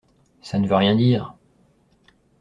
Ça ne veut rien dire.